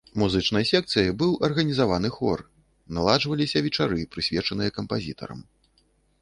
Музычнай секцыяй быў арганізаваны хор, наладжваліся вечары, прысвечаныя кампазітарам.